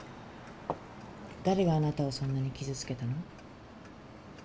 誰があなたをそんなに傷つけたの？